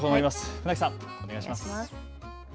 船木さん、お願いします。